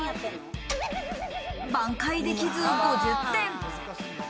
挽回できず５０点。